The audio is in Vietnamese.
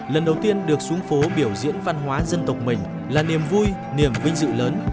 lần đầu tiên được xuống phố biểu diễn văn hóa dân tộc mình là niềm vui niềm vinh dự lớn